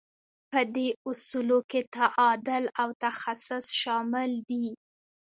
په دې اصولو کې تعادل او تخصص شامل دي.